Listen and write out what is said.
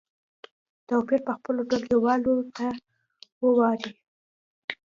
توپیر په خپلو ټولګیوالو ته واوروئ.